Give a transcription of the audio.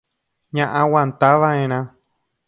ña'aguantava'erã